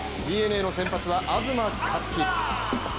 ＤｅＮＡの先発は東克樹。